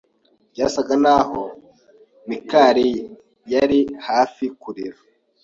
Byasaga nkaho Mikali yari hafi kurira.